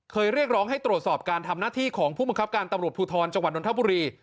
เรียกร้องให้ตรวจสอบการทำหน้าที่ของผู้บังคับการตำรวจภูทรจังหวัดนทบุรี